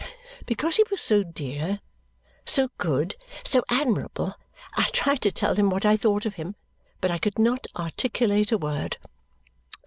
Because he was so dear, so good, so admirable. I tried to tell him what I thought of him, but I could not articulate a word.